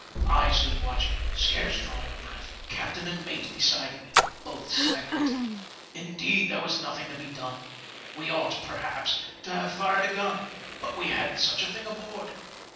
I stood watching, scarce drawing a breath, captain and mate beside me, both silent. Indeed, there was nothing to be done. We ought, perhaps, to have fired a gun ; but we hadn't such a thing aboard.